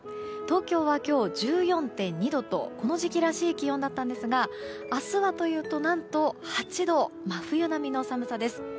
東京は今日１４．２度とこの時期らしい気温でしたが明日はというと何と８度真冬並みの寒さです。